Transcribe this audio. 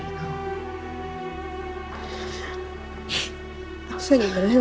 aku gak bisa jaga mik dengan baik